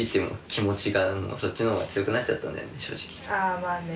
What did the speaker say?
あまあね。